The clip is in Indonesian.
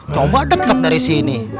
coba dekat dari sini